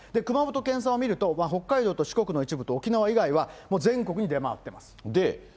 熊本県産を見ると、北海道と四国の一部と沖縄以外はもう全国に出回ってます。